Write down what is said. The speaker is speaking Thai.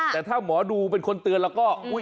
แต่ถ้าหมอดูเป็นคนเตือนแล้วก็อุ๊ย